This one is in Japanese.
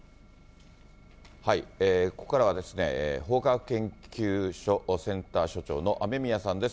ここからは法科学研究所センター所長の雨宮さんです。